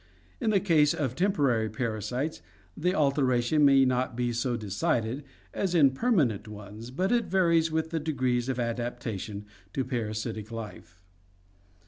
In the case of temporary parasites the alteration may not be so decided as in permanent ones, but it varies with the degree of adap tation to parasitic life.